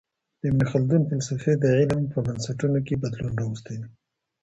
د ابن خلدون فلسفې د علم په بنسټونو کي بدلون راوستی دی.